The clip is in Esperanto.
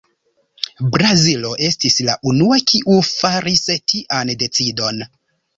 Brazilo estis la unua, kiu faris tian decidon.